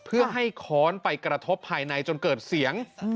เพื่อให้ค้อนไปกระทบภายในจนเกิดเสียง